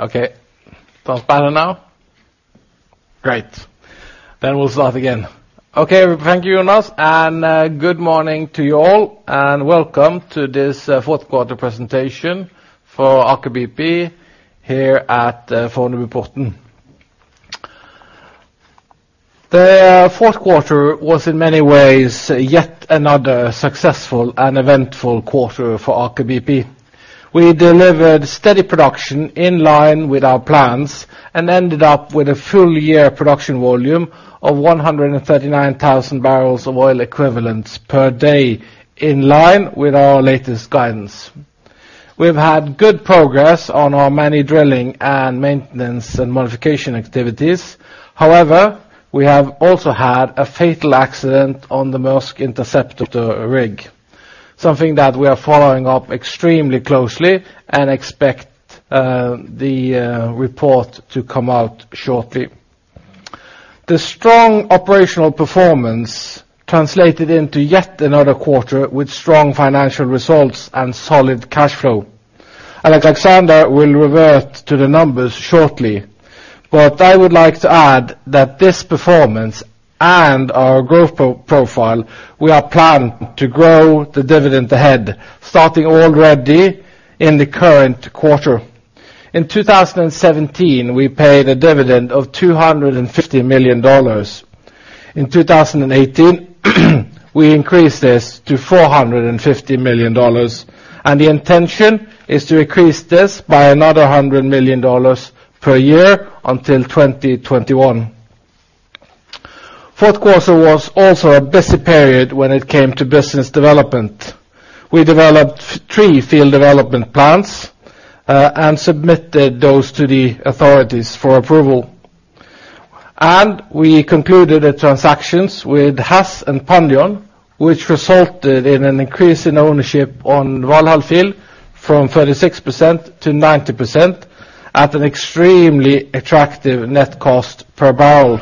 Okay. Transpiling now? Great. We'll start again. Okay. Thank you, Jonas, and good morning to you all, and welcome to this fourth quarter presentation for Aker BP here at Fornebuporten. The fourth quarter was in many ways yet another successful and eventful quarter for Aker BP. We delivered steady production in line with our plans and ended up with a full-year production volume of 139,000 barrels of oil equivalents per day, in line with our latest guidance. We've had good progress on our many drilling and maintenance and modification activities. However, we have also had a fatal accident on the Maersk Interceptor rig, something that we are following up extremely closely and expect the report to come out shortly. The strong operational performance translated into yet another quarter with strong financial results and solid cash flow. Alexander will revert to the numbers shortly. I would like to add that this performance and our growth profile, we are planning to grow the dividend ahead, starting already in the current quarter. In 2017, we paid a dividend of $250 million. In 2018, we increased this to $450 million. The intention is to increase this by another $100 million per year until 2021. Fourth quarter was also a busy period when it came to business development. We developed three field development plans, and submitted those to the authorities for approval. We concluded the transactions with Hess and Pandion, which resulted in an increase in ownership on Valhall field from 36% to 90% at an extremely attractive net cost per barrel.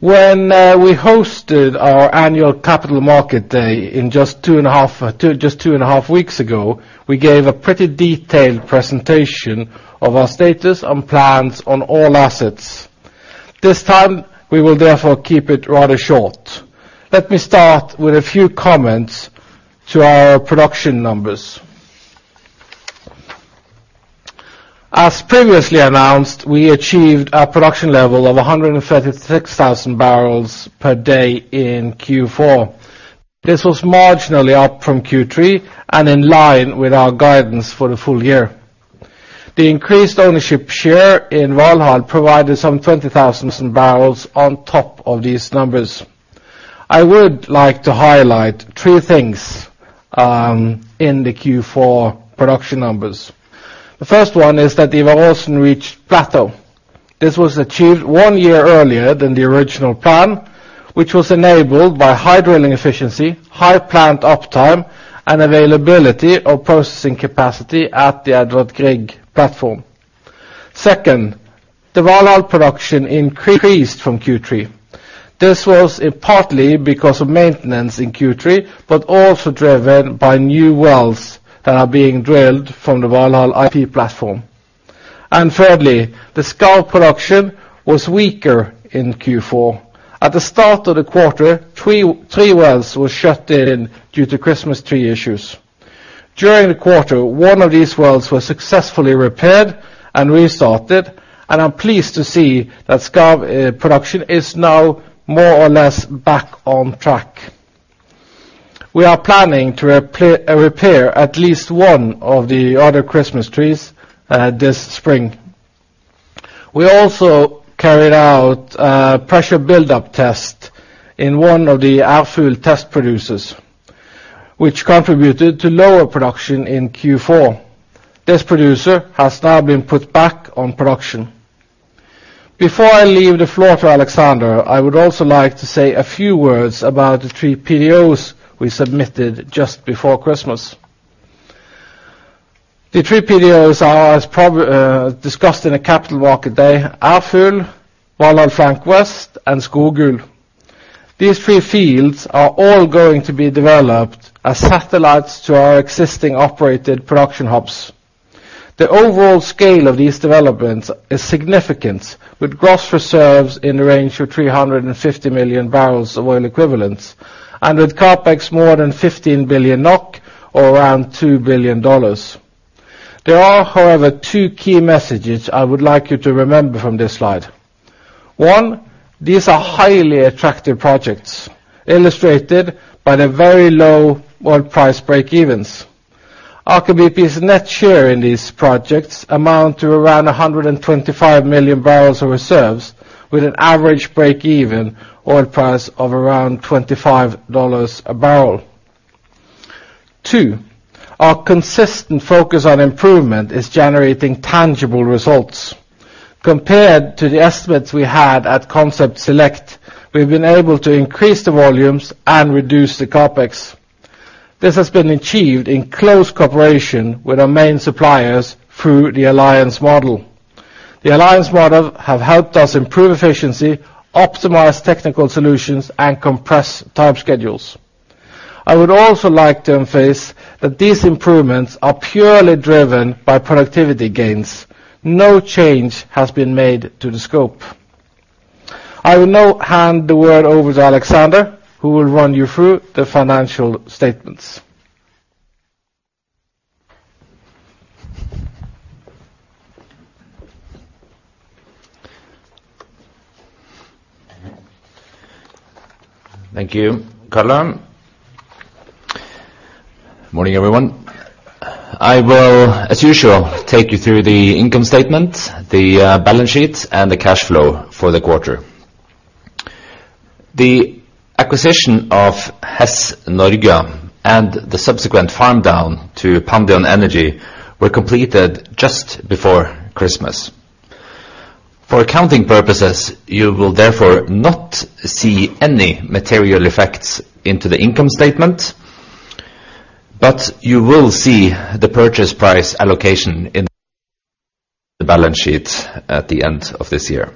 When we hosted our annual Capital Markets Day just two and a half weeks ago, we gave a pretty detailed presentation of our status and plans on all assets. This time, we will therefore keep it rather short. Let me start with a few comments to our production numbers. As previously announced, we achieved a production level of 136,000 barrels per day in Q4. This was marginally up from Q3 and in line with our guidance for the full year. The increased ownership share in Valhall provided some 20,000 barrels on top of these numbers. I would like to highlight three things in the Q4 production numbers. The first one is that Ivar Aasen reached plateau. This was achieved one year earlier than the original plan, which was enabled by high drilling efficiency, high plant uptime, and availability of processing capacity at the Edvard Grieg platform. Second, the Valhall production increased from Q3. This was partly because of maintenance in Q3, but also driven by new wells that are being drilled from the Valhall IP platform. Thirdly, the Skarv production was weaker in Q4. At the start of the quarter, three wells were shut in due to Christmas tree issues. During the quarter, one of these wells was successfully repaired and restarted. I'm pleased to see that Skarv production is now more or less back on track. We are planning to repair at least one of the other Christmas trees this spring. We also carried out a pressure buildup test in one of the Alvheim test producers, which contributed to lower production in Q4. This producer has now been put back on production. Before I leave the floor to Alexander, I would also like to say a few words about the three PDOs we submitted just before Christmas. The three PDOs are, as discussed in the Capital Markets Day, Alvheim, Valhall Flank West, and Skogul. These three fields are all going to be developed as satellites to our existing operated production hubs. The overall scale of these developments is significant, with gross reserves in the range of 350 million barrels of oil equivalents and with CapEx more than 15 billion NOK, or around $2 billion. There are, however, two key messages I would like you to remember from this slide. One, these are highly attractive projects, illustrated by the very low oil price breakevens. Aker BP's net share in these projects amount to around 125 million barrels of reserves with an average breakeven oil price of around $25 a barrel. Two, our consistent focus on improvement is generating tangible results. Compared to the estimates we had at Concept Select, we've been able to increase the volumes and reduce the CapEx. This has been achieved in close cooperation with our main suppliers through the alliance model. The alliance model have helped us improve efficiency, optimize technical solutions, and compress time schedules. I would also like to emphasize that these improvements are purely driven by productivity gains. No change has been made to the scope. I will now hand the word over to Alexander, who will run you through the financial statements. Thank you, Karl Johnny. Morning, everyone. I will, as usual, take you through the income statement, the balance sheets and the cash flow for the quarter. The acquisition of Hess Norge and the subsequent farm down to Pandion Energy were completed just before Christmas. For accounting purposes, you will therefore not see any material effects into the income statement, but you will see the purchase price allocation in the balance sheets at the end of this year.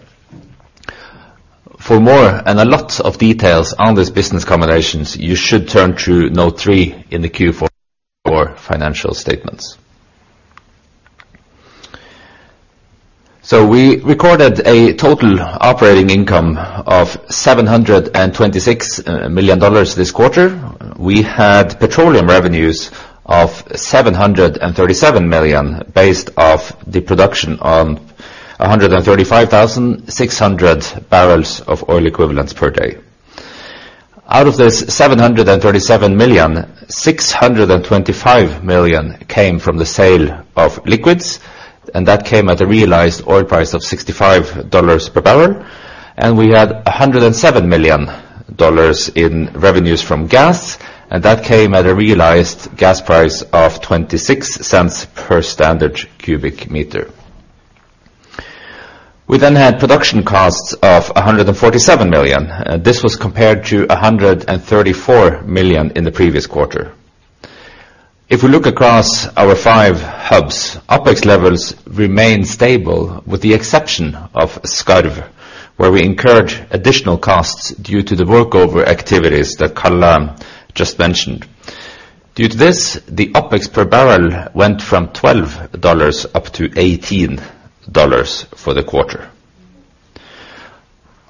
For more and a lot of details on these business combinations, you should turn to note three in the Q4 financial statements. We recorded a total operating income of $726 million this quarter. We had petroleum revenues of $737 million, based off the production on 135,600 barrels of oil equivalents per day. Out of this $737 million, $625 million came from the sale of liquids, and that came at a realized oil price of $65 per barrel. We had $107 million in revenues from gas, and that came at a realized gas price of $0.26 per standard cubic meter. We had production costs of $147 million. This was compared to $134 million in the previous quarter. If we look across our five hubs, OpEx levels remain stable with the exception of Skarv, where we incurred additional costs due to the workover activities that Karl Johnny just mentioned. Due to this, the OpEx per barrel went from $12 up to $18 for the quarter.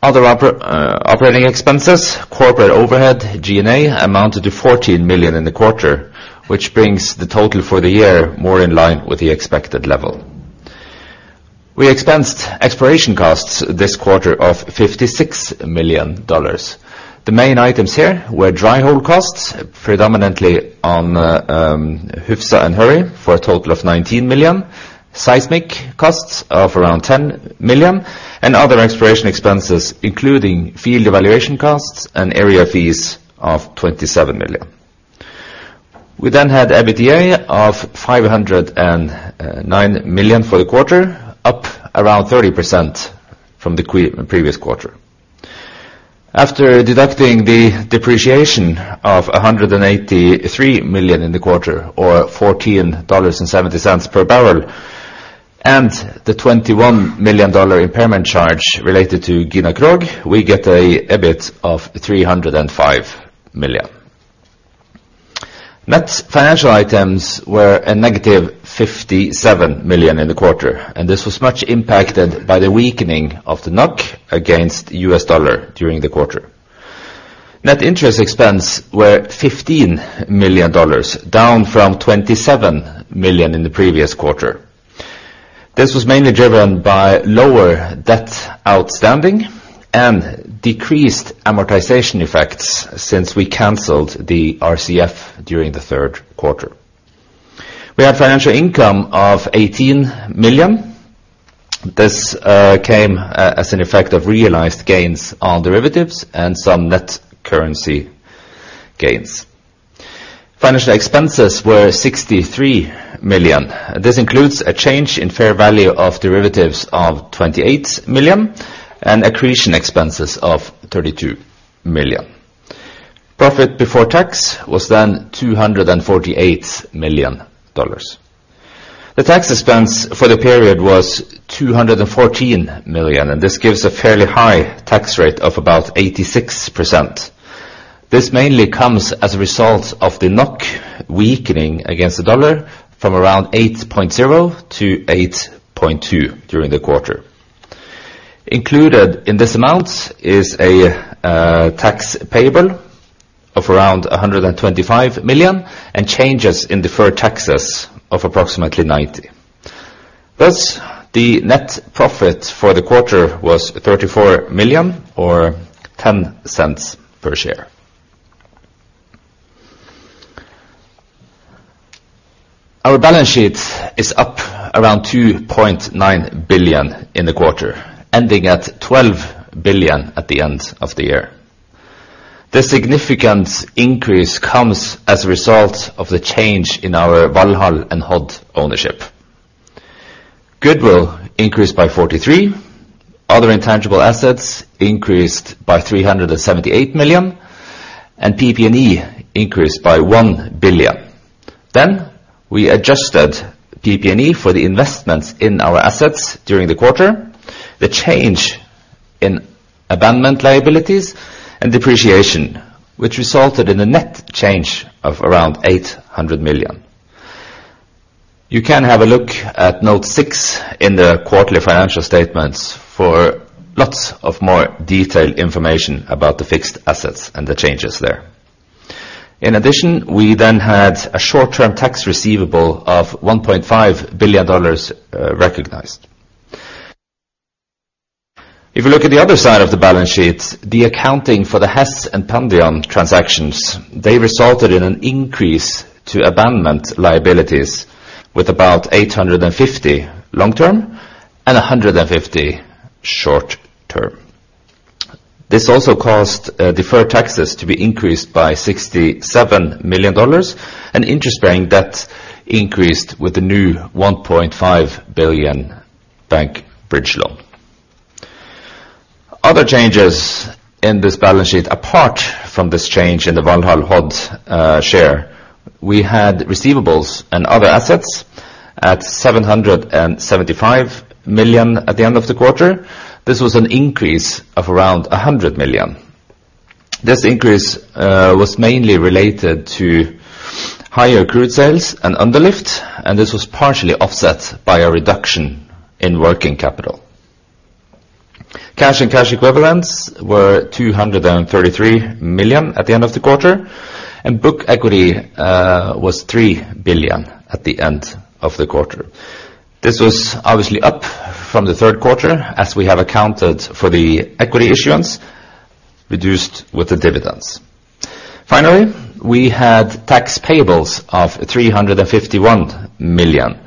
Other operating expenses, corporate overhead, G&A amounted to $14 million in the quarter, which brings the total for the year more in line with the expected level. We expensed exploration costs this quarter of $56 million. The main items here were dry hole costs, predominantly on Hufsa and Hurri, for a total of $19 million, seismic costs of around $10 million, and other exploration expenses, including field evaluation costs and area fees of $27 million. We then had EBITDA of $509 million for the quarter, up around 30% from the previous quarter. After deducting the depreciation of $183 million in the quarter, or $14.70 per barrel, and the $21 million impairment charge related to Gina Krog, we get an EBIT of $305 million. Net financial items were a negative $57 million in the quarter, and this was much impacted by the weakening of the NOK against the US dollar during the quarter. Net interest expense were $15 million, down from $27 million in the previous quarter. This was mainly driven by lower debt outstanding and decreased amortization effects since we canceled the RCF during the third quarter. We had financial income of $18 million. This came as an effect of realized gains on derivatives and some net currency gains. Financial expenses were $63 million. This includes a change in fair value of derivatives of $28 million and accretion expenses of $32 million. Profit before tax was $248 million. The tax expense for the period was $214 million, and this gives a fairly high tax rate of about 86%. This mainly comes as a result of the NOK weakening against the dollar from around 8.0 to 8.2 during the quarter. Included in this amount is a tax payable of around $125 million and changes in deferred taxes of approximately $90 million. Thus, the net profit for the quarter was $34 million or $0.10 per share. Our balance sheet is up around $2.9 billion in the quarter, ending at $12 billion at the end of the year. This significant increase comes as a result of the change in our Valhall and Hod ownership. Goodwill increased by $43 million. Other intangible assets increased by $378 million and PP&E increased by $1 billion. We adjusted PP&E for the investments in our assets during the quarter. The change in abandonment liabilities and depreciation, which resulted in a net change of around $800 million. You can have a look at note six in the quarterly financial statements for lots of more detailed information about the fixed assets and the changes there. In addition, we then had a short-term tax receivable of $1.5 billion recognized. If you look at the other side of the balance sheet, the accounting for the Hess and Pandion transactions, they resulted in an increase to abandonment liabilities with about $850 million long-term and $150 million short-term. This also caused deferred taxes to be increased by $67 million and interest-bearing debt increased with the new $1.5 billion bank bridge loan. Other changes in this balance sheet, apart from this change in the Valhall Hod share, we had receivables and other assets at $775 million at the end of the quarter. This was an increase of around $100 million. This increase was mainly related to higher crude sales and underlift, and this was partially offset by a reduction in working capital. Cash and cash equivalents were $233 million at the end of the quarter, and book equity was $3 billion at the end of the quarter. This was obviously up from the third quarter, as we have accounted for the equity issuance reduced with the dividends. Finally, we had tax payables of $351 million.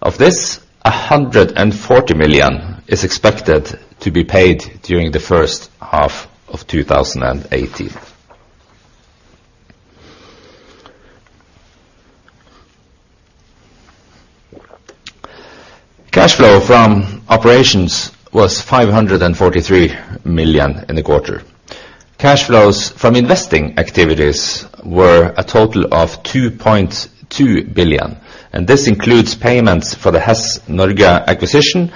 Of this, $140 million is expected to be paid during the first half of 2018. Cash flow from operations was $543 million in the quarter. Cash flows from investing activities were a total of $2.2 billion. This includes payments for the Hess Norge acquisition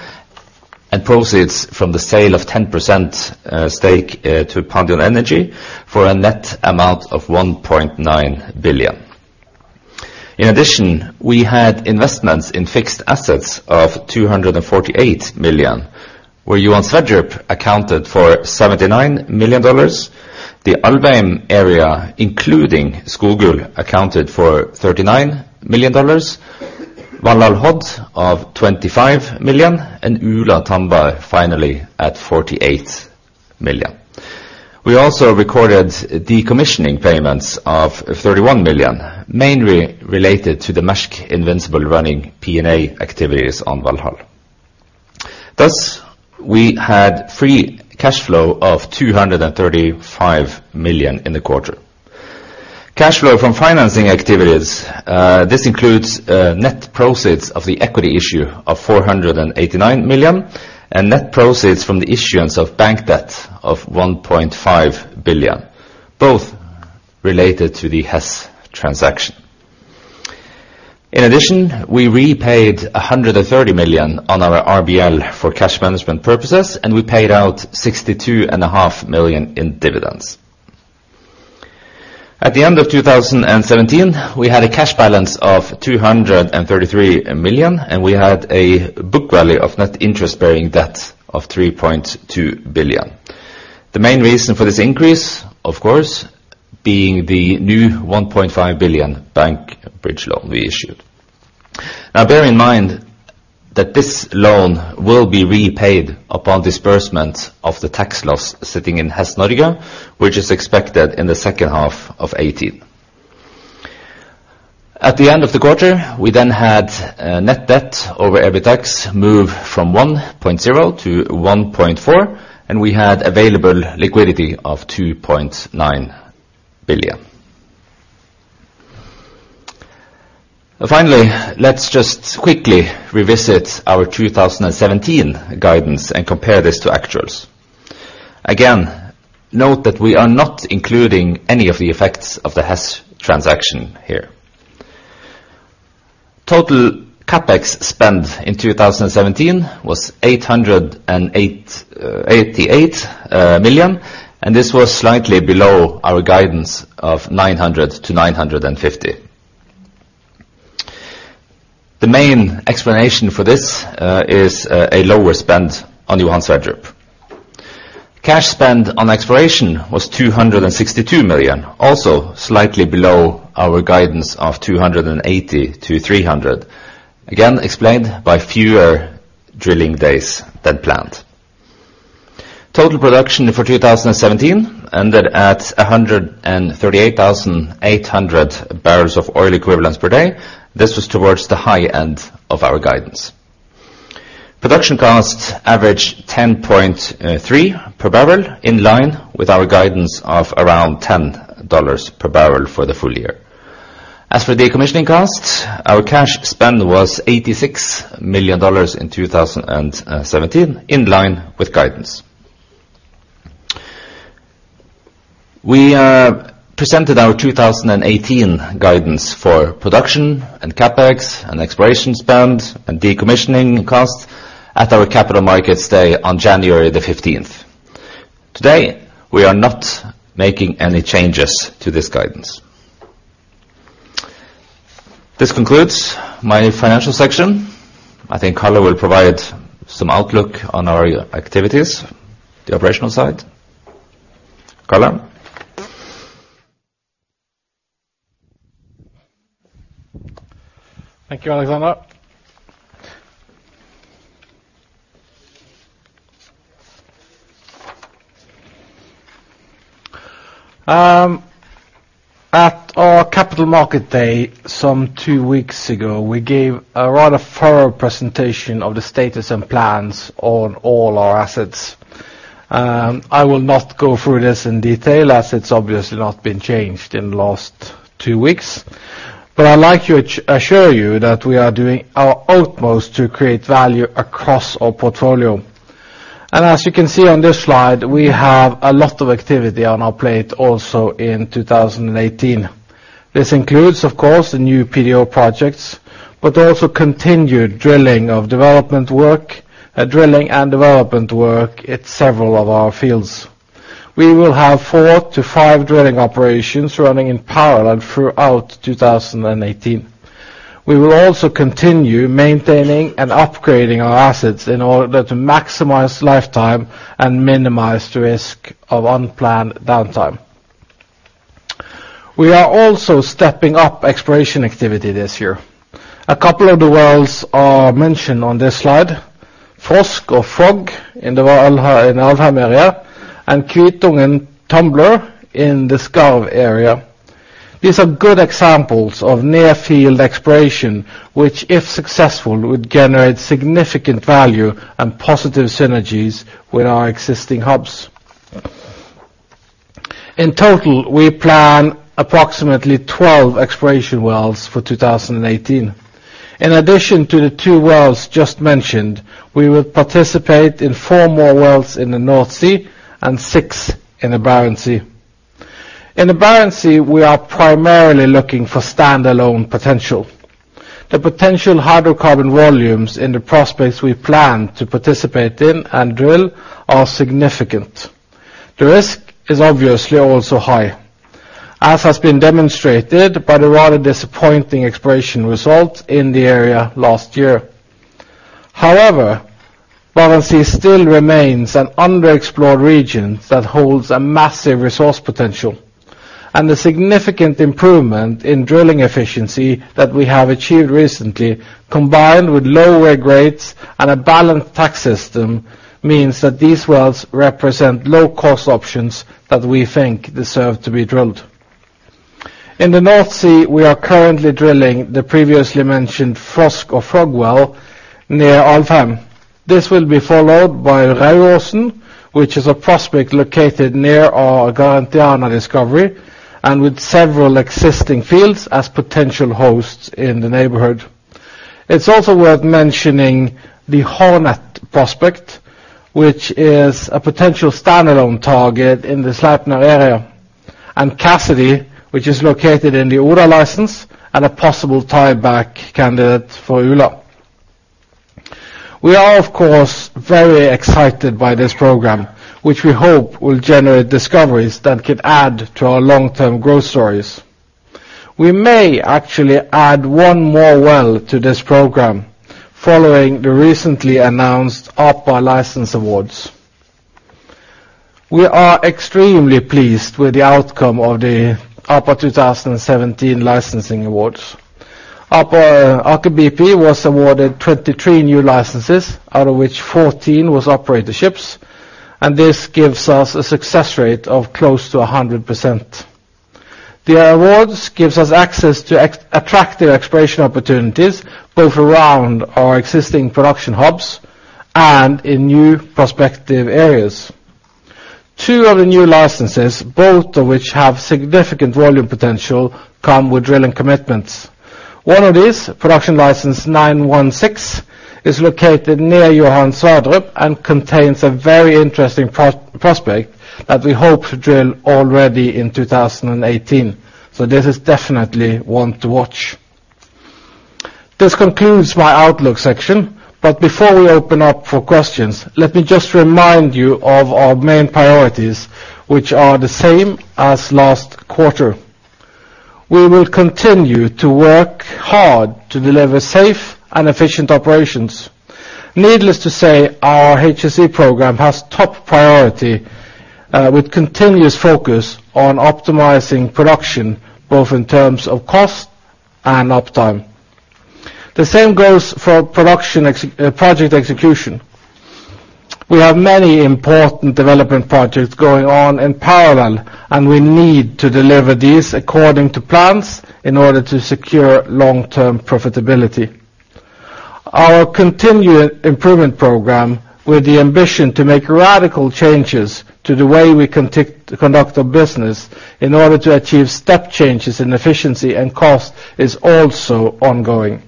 and proceeds from the sale of 10% stake to Pandion Energy for a net amount of $1.9 billion. In addition, we had investments in fixed assets of $248 million, where Johan Sverdrup accounted for $79 million. The Alvheim area, including Skogul, accounted for $39 million. Valhall Hod of $25 million and Ula-Tambar finally at $48 million. We also recorded decommissioning payments of $31 million, mainly related to the Maersk Invincible running P&A activities on Valhall. We had free cash flow of $235 million in the quarter. Cash flow from financing activities. This includes net proceeds of the equity issue of $489 million and net proceeds from the issuance of bank debt of $1.5 billion, both related to the Hess transaction. In addition, we repaid $130 million on our RBL for cash management purposes. We paid out $62.5 million in dividends. At the end of 2017, we had a cash balance of $233 million. We had a book value of net interest-bearing debt of $3.2 billion. The main reason for this increase, of course, being the new $1.5 billion bank bridge loan we issued. Bear in mind that this loan will be repaid upon disbursement of the tax loss sitting in Hess Norge, which is expected in the second half of 2018. At the end of the quarter, we had net debt over EBITDAX move from 1.0 to 1.4. We had available liquidity of $2.9 billion. Let's just quickly revisit our 2017 guidance and compare this to actuals. Again, note that we are not including any of the effects of the Hess transaction here. Total CapEx spend in 2017 was $888 million. This was slightly below our guidance of $900 million-$950 million. The main explanation for this is a lower spend on Johan Sverdrup. Cash spend on exploration was $262 million, also slightly below our guidance of $280 million-$300 million. Again, explained by fewer drilling days than planned. Total production for 2017 ended at 138,800 barrels of oil equivalents per day. This was towards the high end of our guidance. Production costs averaged $10.3 per barrel, in line with our guidance of around $10 per barrel for the full year. As for decommissioning costs, our cash spend was $86 million in 2017, in line with guidance. We presented our 2018 guidance for production and CapEx and exploration spend and decommissioning costs at our Capital Markets Day on January 15th. Today, we are not making any changes to this guidance. This concludes my financial section. I think Carlo will provide some outlook on our activities, the operational side. Carlo? Thank you, Alexander. At our Capital Markets Day some two weeks ago, we gave a rather thorough presentation of the status and plans on all our assets. I will not go through this in detail as it's obviously not been changed in the last two weeks. I'd like to assure you that we are doing our utmost to create value across our portfolio. As you can see on this slide, we have a lot of activity on our plate also in 2018. This includes, of course, the new PDO projects, but also continued drilling of development work, drilling and development work in several of our fields. We will have four to five drilling operations running in parallel throughout 2018. We will also continue maintaining and upgrading our assets in order to maximize lifetime and minimize the risk of unplanned downtime. We are also stepping up exploration activity this year. A couple of the wells are mentioned on this slide, Frosk or Frog in the Alvheim area, and Kvitungen Tumler in the Skarv area. These are good examples of near-field exploration, which, if successful, would generate significant value and positive synergies with our existing hubs. In total, we plan approximately 12 exploration wells for 2018. In addition to the two wells just mentioned, we will participate in four more wells in the North Sea and six in the Barents Sea. In the Barents Sea, we are primarily looking for standalone potential. The potential hydrocarbon volumes in the prospects we plan to participate in and drill are significant. The risk is obviously also high, as has been demonstrated by the rather disappointing exploration result in the area last year. However, Barents Sea still remains an underexplored region that holds a massive resource potential, and the significant improvement in drilling efficiency that we have achieved recently, combined with lower rates and a balanced tax system, means that these wells represent low-cost options that we think deserve to be drilled. In the North Sea, we are currently drilling the previously mentioned Frosk or Frog well near Alvheim. This will be followed by Rauosen, which is a prospect located near our Garantiana discovery and with several existing fields as potential hosts in the neighborhood. It's also worth mentioning the Hornet prospect, which is a potential standalone target in the Sleipner area, and Cassidy, which is located in the Ula license and a possible tieback candidate for Ula. We are, of course, very excited by this program, which we hope will generate discoveries that could add to our long-term growth stories. We may actually add one more well to this program following the recently announced APA license awards. We are extremely pleased with the outcome of the APA 2017 licensing awards. Aker BP was awarded 23 new licenses, out of which 14 was operatorships, and this gives us a success rate of close to 100%. The awards gives us access to attractive exploration opportunities both around our existing production hubs and in new prospective areas. Two of the new licenses, both of which have significant volume potential, come with drilling commitments. One of these, production license 916, is located near Johan Sverdrup and contains a very interesting prospect that we hope to drill already in 2018. This is definitely one to watch. This concludes my outlook section, but before we open up for questions, let me just remind you of our main priorities, which are the same as last quarter. We will continue to work hard to deliver safe and efficient operations. Needless to say, our HSE program has top priority, with continuous focus on optimizing production, both in terms of cost and uptime. The same goes for project execution. We have many important development projects going on in parallel, and we need to deliver these according to plans in order to secure long-term profitability. Our continued improvement program with the ambition to make radical changes to the way we conduct our business in order to achieve step changes in efficiency and cost is also ongoing.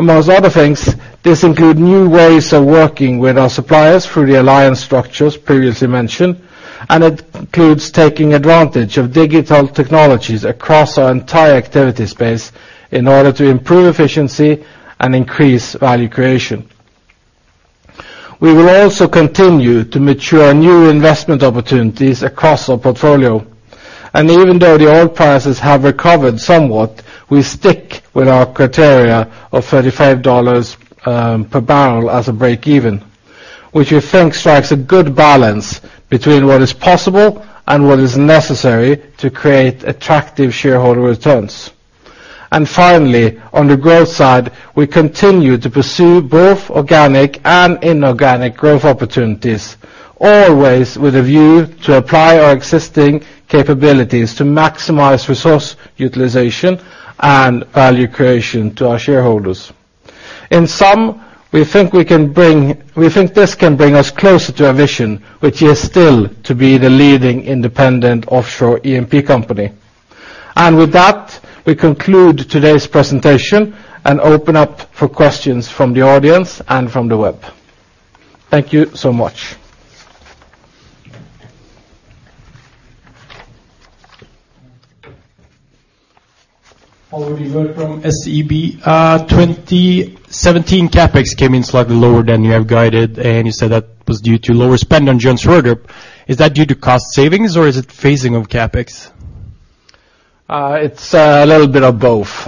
Among other things, this includes new ways of working with our suppliers through the alliance structures previously mentioned, and it includes taking advantage of digital technologies across our entire activity space in order to improve efficiency and increase value creation. We will also continue to mature new investment opportunities across our portfolio. Even though the oil prices have recovered somewhat, we stick with our criteria of $35 per barrel as a break-even, which we think strikes a good balance between what is possible and what is necessary to create attractive shareholder returns. Finally, on the growth side, we continue to pursue both organic and inorganic growth opportunities, always with a view to apply our existing capabilities to maximize resource utilization and value creation to our shareholders. In sum, we think this can bring us closer to our vision, which is still to be the leading independent offshore E&P company. With that, we conclude today's presentation and open up for questions from the audience and from the web. Thank you so much. Oliver from SEB. 2017 CapEx came in slightly lower than you have guided. You said that was due to lower spend on. Is that due to cost savings or is it phasing of CapEx? It's a little bit of both.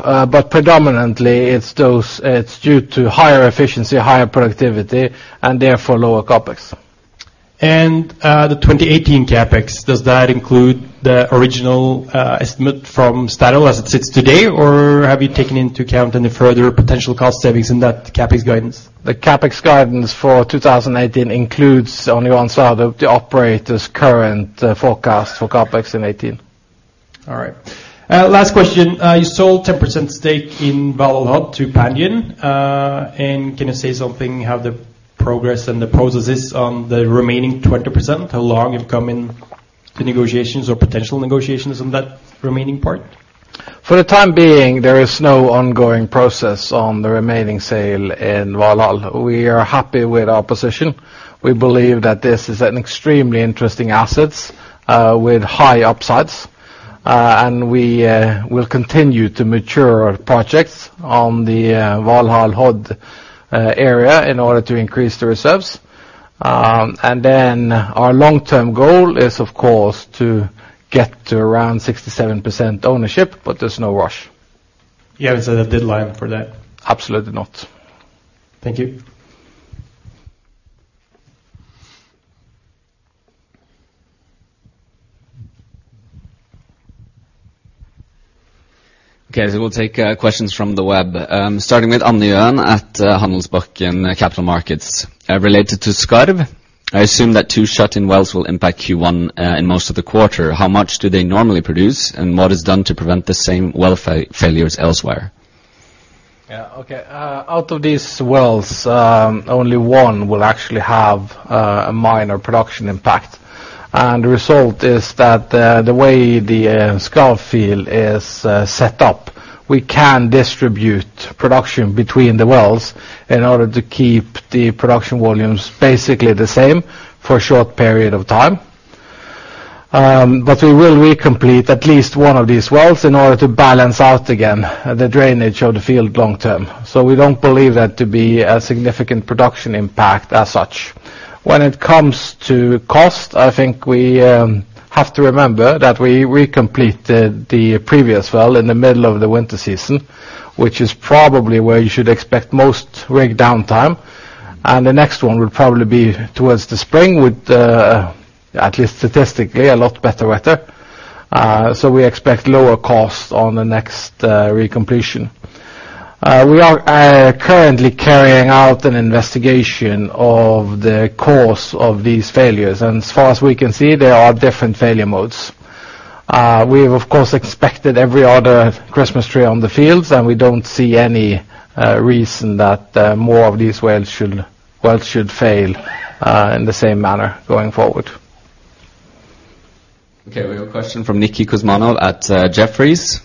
Predominantly it's due to higher efficiency, higher productivity, and therefore lower CapEx. The 2018 CapEx, does that include the original estimate from Statoil as it sits today, or have you taken into account any further potential cost savings in that CapEx guidance? The CapEx guidance for 2018 includes only on the operator's current forecast for CapEx in 2018. All right. Last question, you sold 10% stake in Valhall to Pandion. Can you say something how the progress and the process is on the remaining 20%? How long have come in the negotiations or potential negotiations on that remaining part? For the time being, there is no ongoing process on the remaining sale in Valhall. We are happy with our position. We believe that this is an extremely interesting asset with high upsides. We will continue to mature projects on the Valhall Hod area in order to increase the reserves. Our long-term goal is, of course, to get to around 67% ownership, but there's no rush. You have a deadline for that? Absolutely not. Thank you. Okay, we'll take questions from the web. Starting with Andy Owen at Handelsbanken Capital Markets. Related to Skarv, I assume that two shut-in wells will impact Q1 in most of the quarter. How much do they normally produce, and what is done to prevent the same well failures elsewhere? Okay. Out of these wells, only one will actually have a minor production impact. The result is that the way the Skarv field is set up, we can distribute production between the wells in order to keep the production volumes basically the same for a short period of time. We will recomplete at least one of these wells in order to balance out again the drainage of the field long term. We don't believe that to be a significant production impact as such. When it comes to cost, I think we have to remember that we recompleted the previous well in the middle of the winter season, which is probably where you should expect most rig downtime. The next one will probably be towards the spring with, at least statistically, a lot better weather. We expect lower cost on the next recompletion. We are currently carrying out an investigation of the cause of these failures. As far as we can see, there are different failure modes. We have, of course, expected every other Christmas tree on the fields. We don't see any reason that more of these wells should fail in the same manner going forward. Okay, we have a question from Niki Kouzmanov at Jefferies.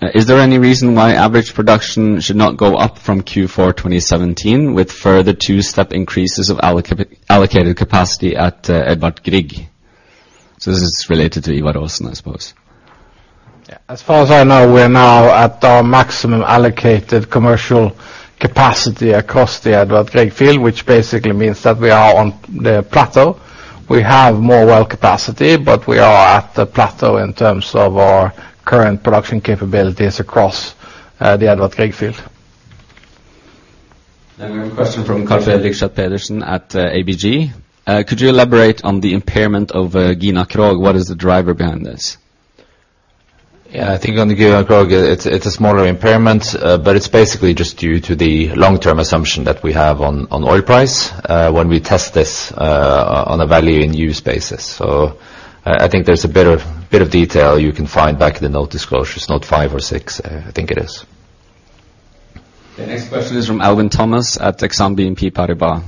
Is there any reason why average production should not go up from Q4 2017 with further two-step increases of allocated capacity at Edvard Grieg? This is related to Ivar Aasen, I suppose. As far as I know, we are now at our maximum allocated commercial capacity across the Edvard Grieg field, which basically means that we are on the plateau. We have more well capacity, but we are at the plateau in terms of our current production capabilities across the Edvard Grieg field. We have a question from Carl Fredrik Sjögren at ABG. Could you elaborate on the impairment of Gina Krog? What is the driver behind this? I think on the Gina Krog, it's a smaller impairment, but it's basically just due to the long-term assumption that we have on oil price when we test this on a value in use basis. I think there's a bit of detail you can find back in the note disclosure. It's note five or six, I think it is. The next question is from Alvin Thomas at Exane BNP Paribas.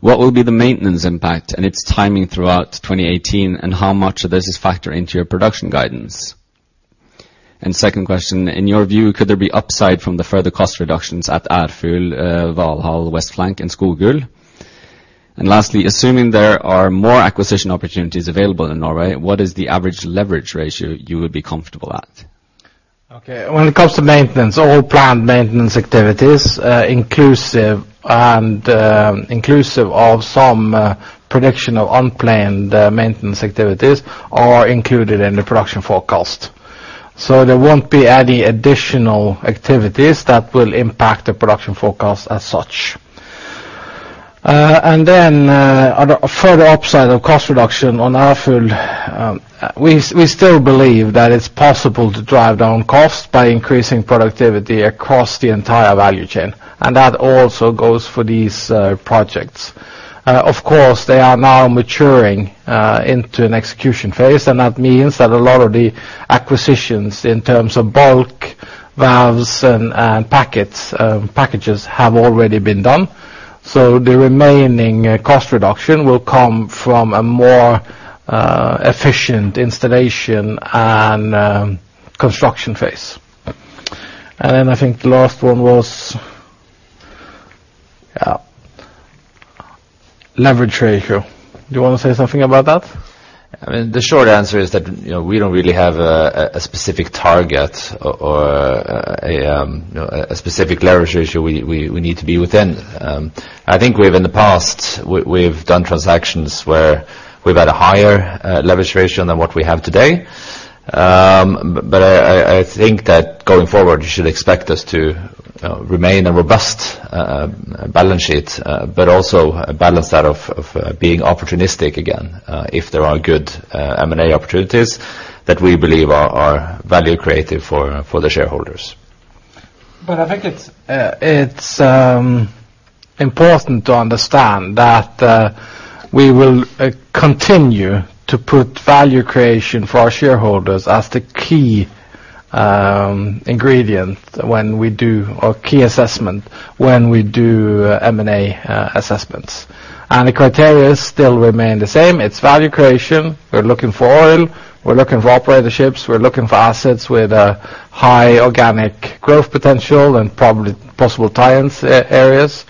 What will be the maintenance impact and its timing throughout 2018, and how much of this is factored into your production guidance? Second question, in your view, could there be upside from the further cost reductions at Aerfugl, Valhall Flank West, and Skogul? Lastly, assuming there are more acquisition opportunities available in Norway, what is the average leverage ratio you would be comfortable at? Okay. When it comes to maintenance, all planned maintenance activities inclusive of some prediction of unplanned maintenance activities are included in the production forecast. There won't be any additional activities that will impact the production forecast as such. A further upside of cost reduction on Aerfugl, we still believe that it's possible to drive down cost by increasing productivity across the entire value chain, and that also goes for these projects. Of course, they are now maturing into an execution phase, and that means that a lot of the acquisitions in terms of bulk valves and packages have already been done. The remaining cost reduction will come from a more efficient installation and construction phase. I think the last one was leverage ratio. Do you want to say something about that? The short answer is that we don't really have a specific target or a specific leverage ratio we need to be within. I think in the past, we've done transactions where we've had a higher leverage ratio than what we have today. I think that going forward, you should expect us to remain a robust balance sheet, but also a balance of being opportunistic again, if there are good M&A opportunities that we believe are value creative for the shareholders. I think it's important to understand that we will continue to put value creation for our shareholders as the key ingredient, or key assessment, when we do M&A assessments. The criteria still remain the same. It's value creation. We're looking for oil, we're looking for operatorships, we're looking for assets with a high organic growth potential and possible tie-in areas.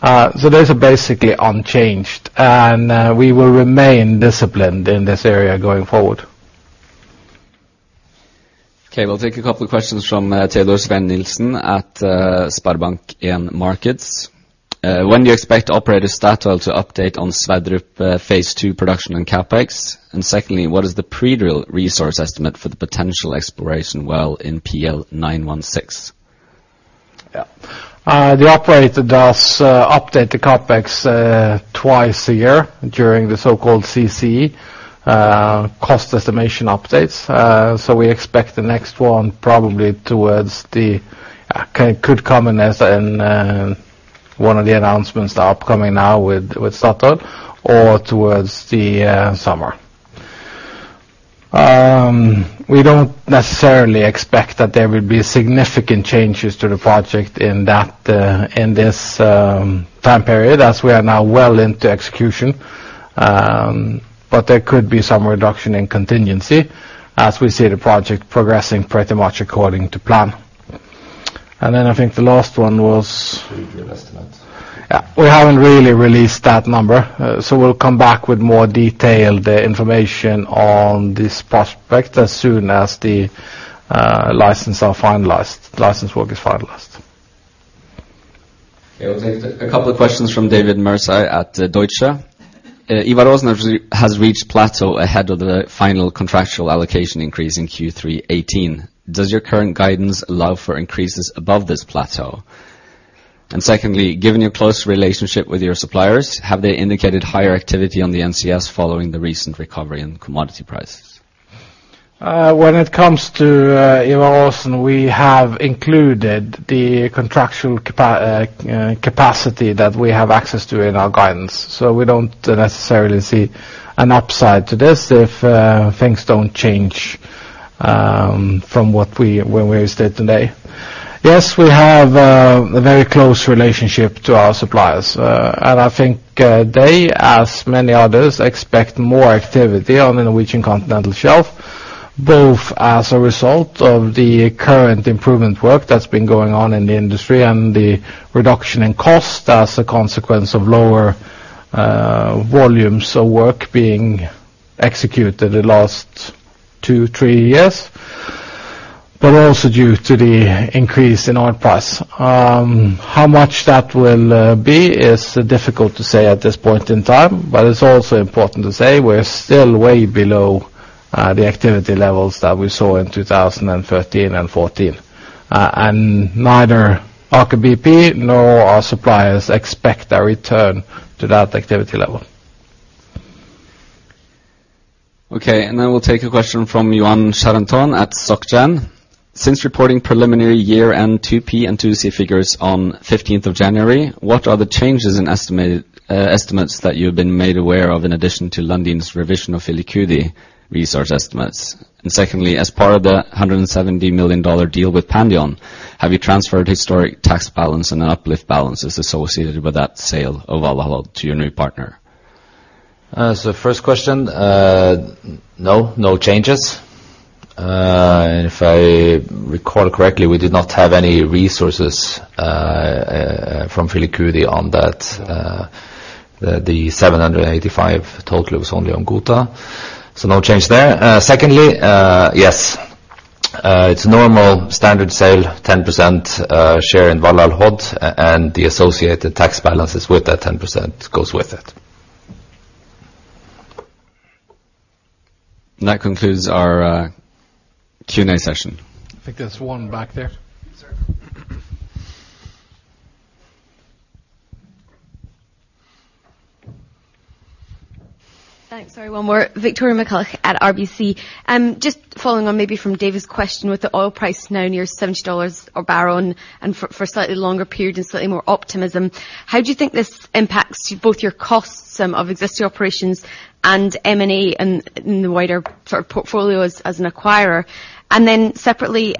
Those are basically unchanged, and we will remain disciplined in this area going forward. Okay, we'll take a couple of questions from Teodor Sveen-Nilsen at SpareBank 1 Markets. When do you expect operator Statoil to update on Sverdrup Phase 2 production and CapEx? Secondly, what is the pre-drill resource estimate for the potential exploration well in PL 916? Yeah. The operator does update the CapEx twice a year during the so-called CCE cost estimation updates. We expect the next one probably towards the, could come in as one of the announcements upcoming now with Statoil or towards the summer. We don't necessarily expect that there will be significant changes to the project in this time period as we are now well into execution. There could be some reduction in contingency as we see the project progressing pretty much according to plan. I think the last one was- Pre-drill estimates. Yeah. We haven't really released that number. We'll come back with more detailed information on this prospect as soon as the license work is finalized. Okay, we'll take a couple of questions from David Mercer at Deutsche. Ivar Aasen has reached plateau ahead of the final contractual allocation increase in Q3 2018. Does your current guidance allow for increases above this plateau? Secondly, given your close relationship with your suppliers, have they indicated higher activity on the NCS following the recent recovery in commodity prices? When it comes to Ivar Aasen, we have included the contractual capacity that we have access to in our guidance. We don't necessarily see an upside to this if things don't change from when we stayed today. Yes, we have a very close relationship to our suppliers. I think they, as many others, expect more activity on the Norwegian Continental Shelf, both as a result of the current improvement work that's been going on in the industry and the reduction in cost as a consequence of lower volumes of work being executed the last two, three years, but also due to the increase in oil price. How much that will be is difficult to say at this point in time, but it's also important to say we're still way below the activity levels that we saw in 2013 and 2014. Neither Aker BP nor our suppliers expect a return to that activity level. Okay, we'll take a question from Yoann Charenton at SocGen. Since reporting preliminary year-end 2P and 2C figures on 15th of January, what are the changes in estimates that you've been made aware of in addition to Lundin's revision of Filicudi resource estimates? Secondly, as part of the $170 million deal with Pandion, have you transferred historic tax balance and uplift balances associated with that sale of Valhall to your new partner? First question, no changes. If I recall correctly, we did not have any resources from Filicudi on the 785 total was only on Gohta. No change there. Secondly, yes. It's normal standard sale, 10% share in Valhall Hod and the associated tax balances with that 10% goes with it. That concludes our Q&A session. I think there's one back there. Yes, sir. Thanks. Sorry, one more. Victoria McCulloch at RBC. Just following on maybe from David's question, with the oil price now near $70 a barrel and for a slightly longer period and slightly more optimism, how do you think this impacts both your costs of existing operations and M&A and the wider sort of portfolio as an acquirer? Separately,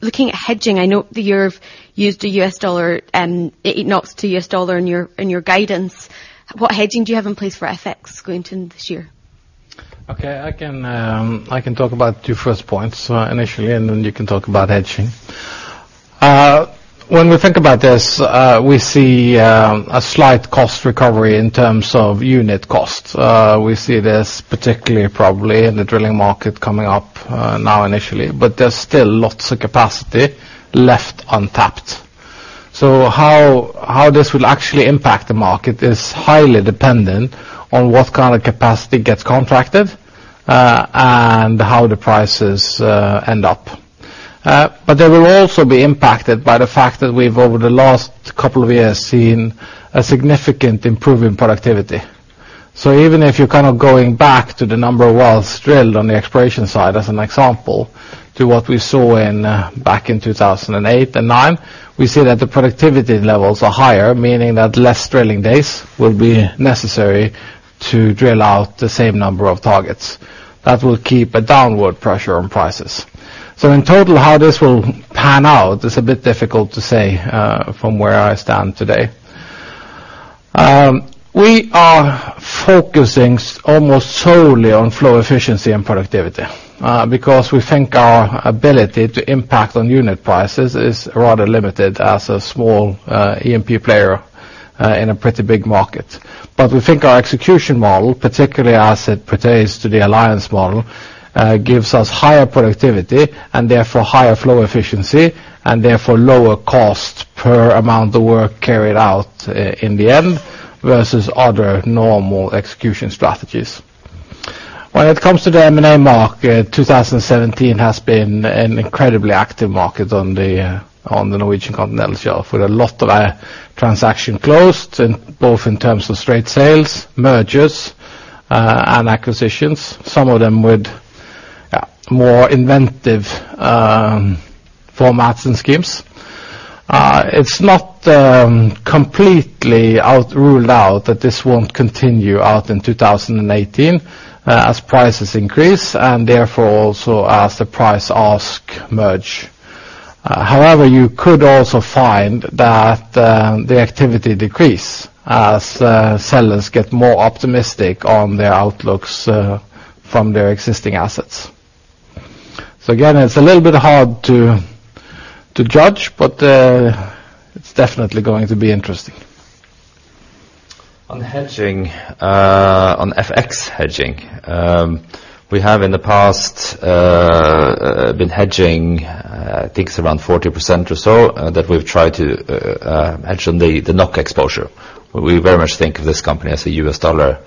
looking at hedging, I know that you've used the US dollar, NOK to US dollar in your guidance. What hedging do you have in place for FX going into this year? Okay. I can talk about your first points initially, you can talk about hedging. When we think about this, we see a slight cost recovery in terms of unit costs. We see this particularly probably in the drilling market coming up now initially. There's still lots of capacity left untapped. How this will actually impact the market is highly dependent on what kind of capacity gets contracted, and how the prices end up. They will also be impacted by the fact that we've, over the last couple of years, seen a significant improve in productivity. Even if you're kind of going back to the number of wells drilled on the exploration side, as an example, to what we saw back in 2008 and 2009, we see that the productivity levels are higher, meaning that less drilling days will be necessary to drill out the same number of targets. That will keep a downward pressure on prices. In total, how this will pan out is a bit difficult to say from where I stand today. We are focusing almost solely on flow efficiency and productivity, because we think our ability to impact on unit prices is rather limited as a small E&P player in a pretty big market. We think our execution model, particularly as it pertains to the alliance model, gives us higher productivity and therefore higher flow efficiency, and therefore lower cost per amount the work carried out in the end versus other normal execution strategies. When it comes to the M&A market, 2017 has been an incredibly active market on the Norwegian Continental Shelf with a lot of our transaction closed, both in terms of straight sales, mergers, and acquisitions, some of them with more inventive formats and schemes. It's not completely ruled out that this won't continue out in 2018 as prices increase and therefore also as the price ask merge. However, you could also find that the activity decrease as sellers get more optimistic on their outlooks from their existing assets. Again, it's a little bit hard to judge, but it's definitely going to be interesting. On hedging, on FX hedging. We have in the past been hedging, I think it's around 40% or so that we've tried to hedge on the NOK exposure. We very much think of this company as a US dollar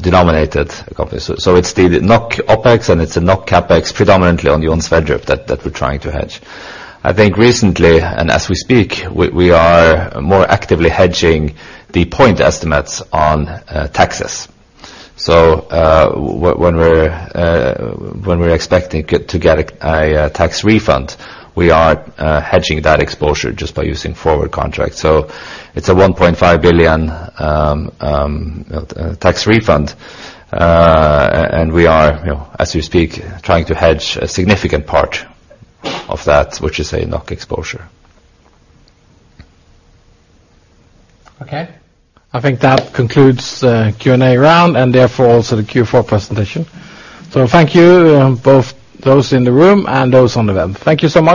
denominated company. It's the NOK OpEx, and it's the NOK CapEx predominantly on the Johan Sverdrup that we're trying to hedge. I think recently, and as we speak, we are more actively hedging the point estimates on taxes. When we're expecting to get a tax refund, we are hedging that exposure just by using forward contracts. It's a 1.5 billion tax refund. We are, as we speak, trying to hedge a significant part of that, which is a NOK exposure. Okay. I think that concludes the Q&A round and therefore also the Q4 presentation. Thank you both those in the room and those on the web. Thank you so much